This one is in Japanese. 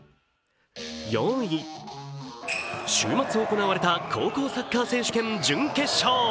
４位、週末行われた高校サッカー選手権準決勝。